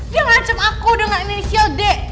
dia ngacep aku udah gak inisial d